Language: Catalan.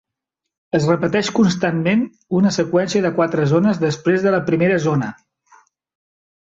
Es repeteix constantment una seqüència de quatre zones després de la primera zona.